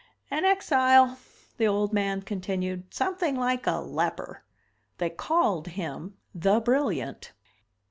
"An exile." The old man continued. "Something like a leper. They called him THE BRILLIANT.